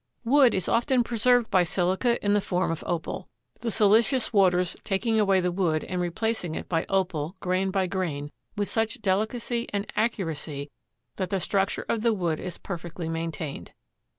Wood is often preserved by silica in the form of Opal, the siliceous waters taking away the wood and replacing it by Opal, grain by grain, with such delicacy and accuracy that the structure of the wood is perfectly maintained.